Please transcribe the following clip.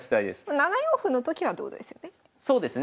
７四歩のときはってことですよね？